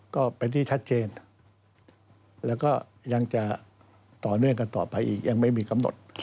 ก็เป็นที่ชัดเจนแล้วก็ยังจะต่อเนื่องกันต่อไปอีกยังไม่มีกำหนด